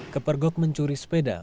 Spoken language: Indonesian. kepergok mencuri sepeda